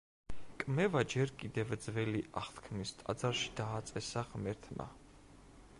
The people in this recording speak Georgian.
კმევა ჯერ კიდევ ძველი აღთქმის ტაძარში დააწესა ღმერთმა.